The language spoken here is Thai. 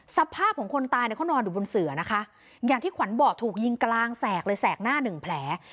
สภาพของคนตายเนี่ยเขานอนอยู่บนเสือนะคะอย่างที่ขวัญบอกถูกยิงกลางแสกเลยแสกหน้าหนึ่งแผล